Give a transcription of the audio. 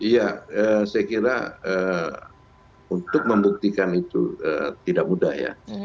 ya saya kira untuk membuktikan itu tidak mudah ya